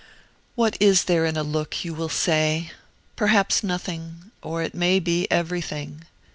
What is there in a look, you will say? Perhaps nothing; or it may be everything.